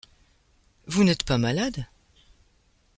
Vous n'êtes pas malade ?